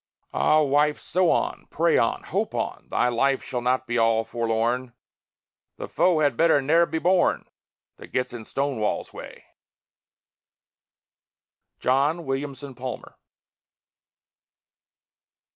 Ah! Wife, sew on, pray on, hope on; Thy life shall not be all forlorn; The foe had better ne'er been born That gets in "Stonewall's way." JOHN WILLIAMSON PALMER.